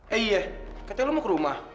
eh iya katanya lo mau ke rumah